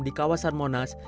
di kawasan monas